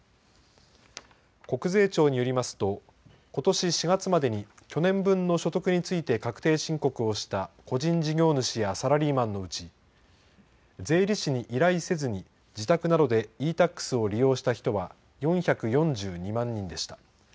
国税庁によりますとことし４月までに去年分の所得について確定申告をした個人事業主やサラリーマンのうち税理士に依頼せずに自宅などでｅーＴａｘを利用した人は４４２万人でした。